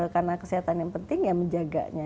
karena kesehatan yang penting ya menjaganya